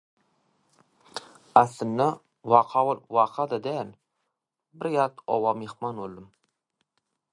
Aslynda, waka bolup waka-da däl, bir ýat oba myhman boldum.